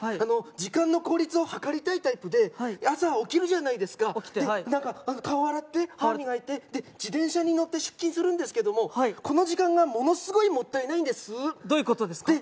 時間の効率を図りたいタイプで朝起きるじゃないですか起きてはい顔洗って歯磨いて自転車に乗って出勤するんですけどもこの時間がものすごいもったいないんですどういうことですか？